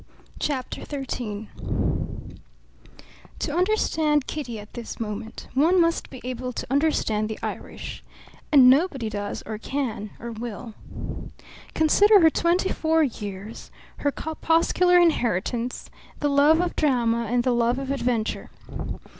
CHAPTER XIII To understand Kitty at this moment one must be able to understand the Irish; and nobody does or can or will. Consider her twenty four years, her corpuscular inheritance, the love of drama and the love of adventure.